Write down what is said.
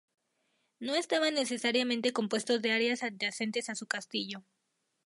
No estaba necesariamente compuesto de áreas adyacentes a su castillo.